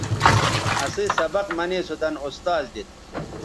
اسئ سبق منے سو دَن اُستاذ دیت